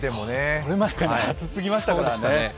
これまでが暑すぎましたもんね。